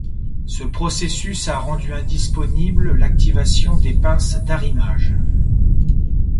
Ce processus a rendu indisponible l’activation des pinces d’arrimage.